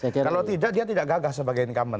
kalau tidak dia tidak gagah sebagai incumbent